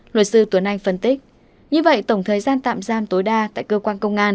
luật sư tuấn anh phân tích như vậy tổng thời gian tạm giam tối đa tại cơ quan công an